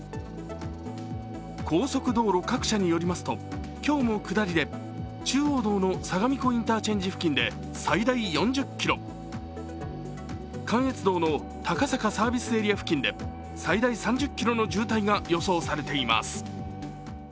高速道路各社によりますと今日も下りで中央道の相模湖インターチェンジ付近で最大４０ｋｍ関越道の高坂サービスエリア付近で最大３０ｋｍの渋滞が予想されています。